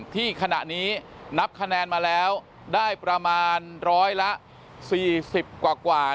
ที่ขณะนี้นับคะแนนมาแล้วได้ประมาณร้อยละ๔๐กว่า